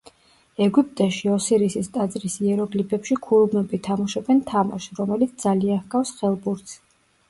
ეგვიპტეში, ოსირისის ტაძრის იეროგლიფებში ქურუმები თამაშობენ თამაშს, რომელიც ძალიან ჰგავს ხელბურთს.